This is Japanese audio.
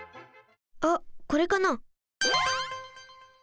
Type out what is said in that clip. あっこれかな？